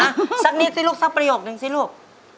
สักนิดสิลูกสักประโยคนึงสิลูก